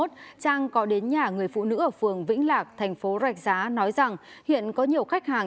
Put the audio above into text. trang có đến nhà người phụ nữ ở phường vĩnh lạc thành phố rạch giá nói rằng hiện có nhiều khách hàng